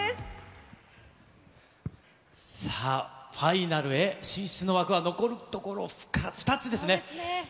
さあ、さあ、ファイナルへ、進出の枠は残るところ２つですね。